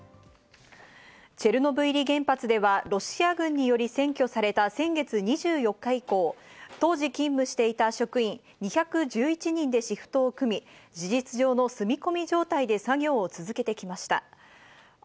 チェルノブイリ原発ではロシア軍により占拠された先月２４日以降、当時勤務していた職員、２１１人でシフトを組み、事実上の住み込み状態で作業を続けていました。